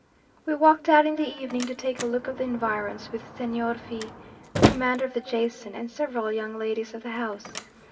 We walked out in the evening to take a look of the environs, with Señor V o, the commander of the Jason, and several young ladies of the house.